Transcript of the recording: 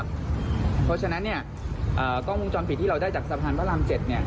เพราะฉะนั้นกล้องวงจรปิดที่เราได้จากสะพานพระราม๗